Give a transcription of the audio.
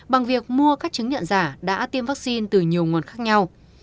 bằng việc mua các chứng nhận giả đã tiêm vaccine từ nhiều nguồn khác nhau